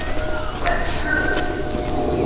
What Are We?